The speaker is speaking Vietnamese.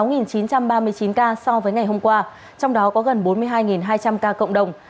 trong chín trăm ba mươi chín ca so với ngày hôm qua trong đó có gần bốn mươi hai hai trăm linh ca cộng đồng